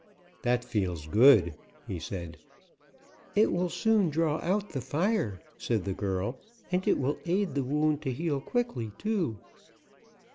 "That feels good," he said. "It will soon draw out the fire," said the girl, "and it will aid the wound to heal quickly, too."